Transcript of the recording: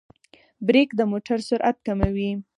برېک د موټر سرعت کموي.